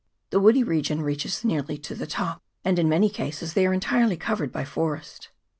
The woody region reaches nearly to the top, and in many cases they are entirely covered by forest.